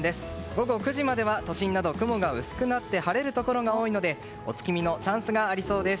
午後９時までは都心など雲が薄くなって晴れるところが多いのでお月見のチャンスがありそうです。